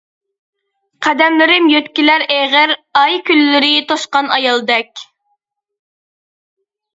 قەدەملىرىم يۆتكىلەر ئېغىر، ئاي، كۈنلىرى توشقان ئايالدەك.